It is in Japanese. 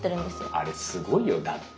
あれすごいよだって。